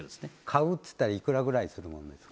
買うっていったらいくらぐらいするものですか？